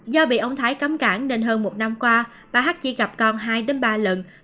do bị ông thái cấm cản nên hơn một năm qua bà hắc chỉ gặp con hai ba lần